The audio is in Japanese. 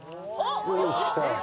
よしきた。